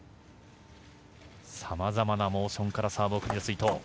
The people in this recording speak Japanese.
さまざまなモーションからサーブを放つ伊藤。